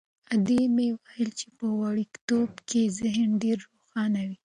ادې مې ویل چې په وړکتوب کې ذهن ډېر روښانه وي.